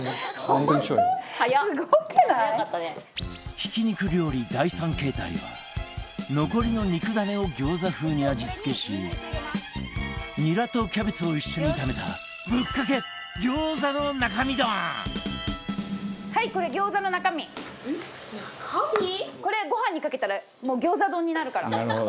ひき肉料理第３形態は残りの肉ダネを餃子風に味付けしニラとキャベツを一緒に炒めたこれご飯にかけたらもう餃子丼になるから。